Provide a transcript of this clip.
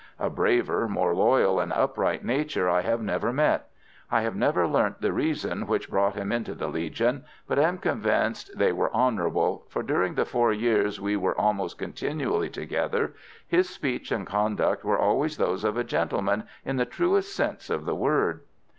A braver, more loyal and upright nature I have never met. I have never learnt the reasons which brought him into the Legion, but am convinced they were honourable, for during the four years we were almost continually together his speech and conduct were always those of a gentleman in the truest sense of the word.